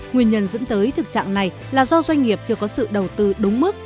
nguyên nhân dẫn tới thực trạng này là do doanh nghiệp chưa có sự đầu tư đúng mức